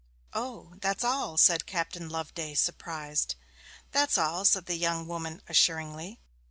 'O that's all!' said Captain Loveday, surprised. 'That's all,' said the young woman assuringly.